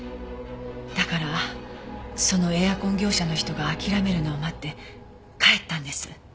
だからそのエアコン業者の人が諦めるのを待って帰ったんです。